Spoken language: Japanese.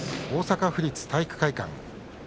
大阪府立体育会館